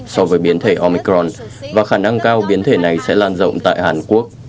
so với biến thể omicron và khả năng cao biến thể này sẽ lan rộng tại hàn quốc